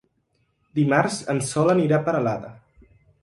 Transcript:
Dimarts en Sol anirà a Peralada.